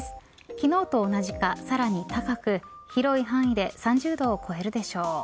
昨日と同じかさらに高く広い範囲で３０度を超えるでしょう。